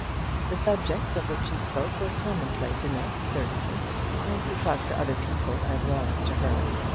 The subjects of which he spoke were commonplace enough, certainly, and he talked to other people as well as to her.